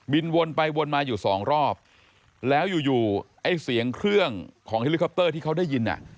วนไปวนมาอยู่สองรอบแล้วอยู่อยู่ไอ้เสียงเครื่องของเฮลิคอปเตอร์ที่เขาได้ยินอ่ะ